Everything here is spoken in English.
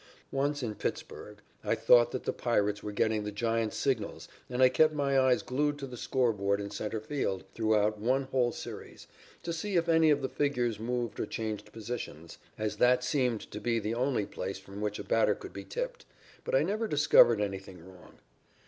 Once in Pittsburg I thought that the Pirates were getting the Giants' signals and I kept my eyes glued to the score board in centre field, throughout one whole series, to see if any of the figures moved or changed positions, as that seemed to be the only place from which a batter could be tipped. But I never discovered anything wrong.